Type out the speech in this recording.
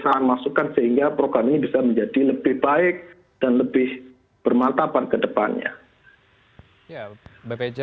memberikan masukan sehingga program ini bisa menjadi lebih baik dan lebih bermantapan ke depannya